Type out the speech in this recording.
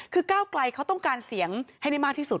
คือก้าวไกลเขาต้องการเสียงให้ได้มากที่สุด